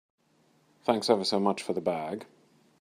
Thanks ever so much for the bag.